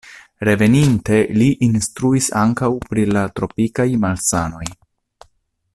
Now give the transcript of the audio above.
Reveninte li instruis ankaŭ pri la tropikaj malsanoj.